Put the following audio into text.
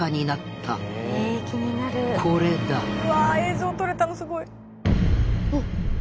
これだうわ映像撮れたのすごい！